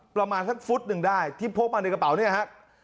ประมาณสักฟุตหนึ่งได้ที่พกมาในกระเป๋าเนี่ยฮะ